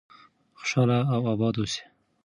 خوشحاله او آباد اوسئ.